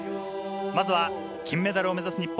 まずは金メダルを目指す日本。